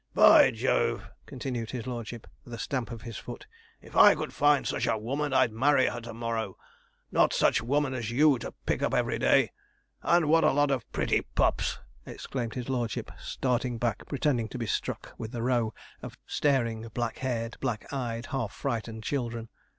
'By Jove!' continued his lordship, with a stamp of his foot, 'if I could find such a woman I'd marry her to morrow. Not such women as you to pick up every day. And what a lot of pretty pups!' exclaimed his lordship, starting back, pretending to be struck with the row of staring, black haired, black eyed, half frightened children.